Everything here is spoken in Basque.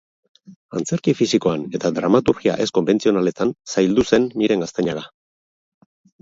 Antzerki fisikoan eta dramaturgia ez-konbentzionaletan zaildu zen Miren Gaztañaga.